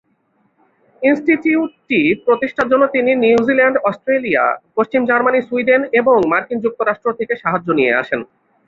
ইনস্টিটিউটটি প্রতিষ্ঠার জন্য, তিনি নিউজিল্যান্ড, অস্ট্রেলিয়া, পশ্চিম জার্মানি, সুইডেন, এবং মার্কিন যুক্তরাষ্ট্র থেকে সাহায্য নিয়ে আসেন।